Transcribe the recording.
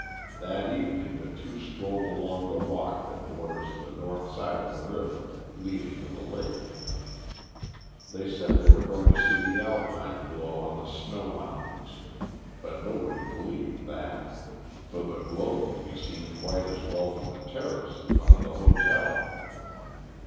That evening the two strolled along the walk that borders the north side of the river, leading to the lake. They said they were going to see the Alpine glow on the snow mountains, but nobody believed that, for the glow can be seen quite as well from the terrace in front of the hotel.